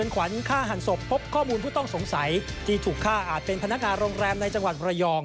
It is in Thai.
ฆ่าหันศพแก่รอยคดีสะเทือนขวัญ